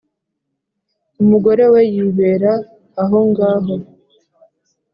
Umugore we yibera ahongaho,